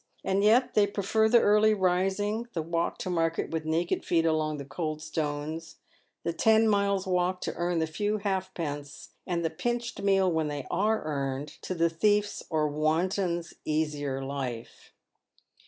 And yet they prefer the early rising — the walk to market with naked feet along the cold stones — the ten miles walk to earn the few halfpence— and the pinched meal when they are earned — to the thief's or wanton's easier life.